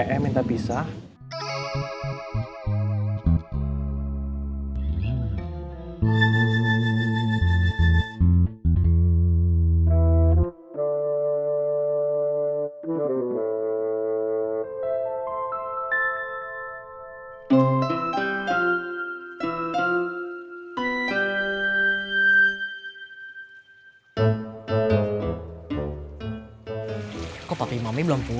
emangnya tadi kita ngapain atuk